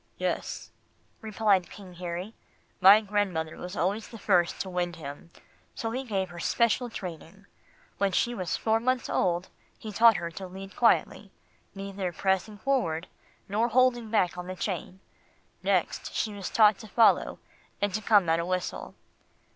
"Yes," replied King Harry. "My grandmother was always the first to wind him, so he gave her special training. When she was four months old, he taught her to lead quietly, neither pressing forward, nor holding back on the chain. Next, she was taught to follow, and to come at a whistle."